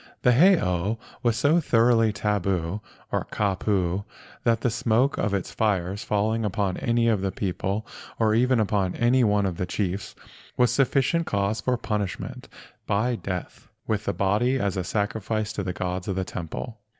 The heiau was so thoroughly "tabu," or "kapu," that the smoke of its fires falling upon any of the people or even upon any one of the chiefs was sufficient cause for punishment by death, with the body as a sacrifice to the gods of the temple.